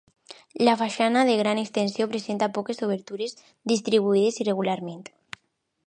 La façana, de gran extensió, presenta poques obertures, distribuïdes irregularment.